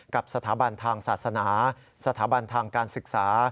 กับสถาบันทางศาสนาสถาบันทางการศึกษา